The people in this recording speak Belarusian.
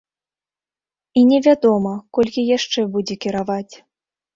І не вядома, колькі яшчэ будзе кіраваць.